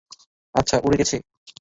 আচ্ছা উড়ে গেছে?